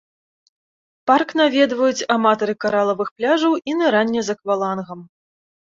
Парк наведваюць аматары каралавых пляжаў і нырання з аквалангам.